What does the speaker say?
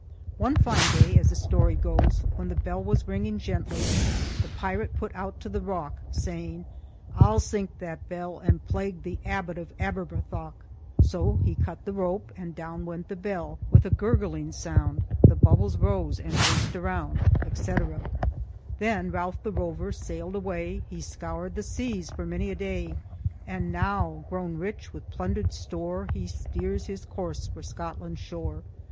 One fine day, as the story goes, when the bell was ringing gently, the pirate put out to the rock, saying, "I'll sink that bell and plague the Abbot of Aberbrothok." So he cut the rope, and down went the bell "with a gurgling sound; the bubbles rose and burst around," etc. Then "Ralph the Rover sailed away; he scoured the seas for many a day; and now, grown rich with plundered store, he steers his course for Scotland's shore."